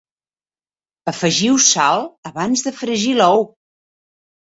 Afegiu sal abans de fregir l'ou.